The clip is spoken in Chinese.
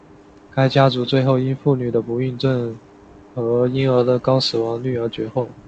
该家族最后因妇女的不孕症和婴儿的高死亡率而绝后。